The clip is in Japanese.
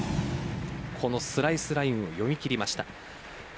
このスライスラインを読み切りました。